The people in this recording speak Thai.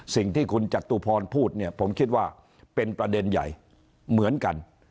สิ่งที่คุณจตุพรพูดเนี่ยผมคิดว่าเป็นประเด็นใหญ่เหมือนกัน